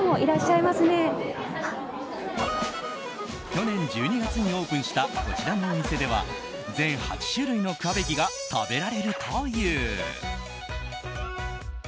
去年１２月にオープンしたこちらのお店では全８種類のクァベギが食べられるという。